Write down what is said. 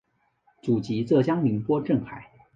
祖籍浙江宁波镇海。